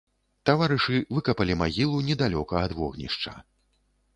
Таварышы выкапалі магілу недалёка ад вогнішча.